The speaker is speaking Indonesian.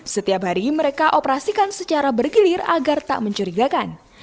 setiap hari mereka operasikan secara bergilir agar tak mencurigakan